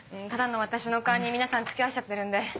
ただの私の勘に皆さん付き合わせちゃってるんで。